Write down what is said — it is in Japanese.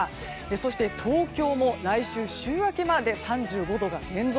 そして、東京も来週週明けまで３５度が連続。